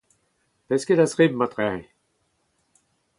Pesked a zebr marteze ?